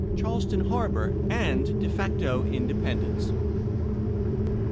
Charleston Harbor, and de facto independence.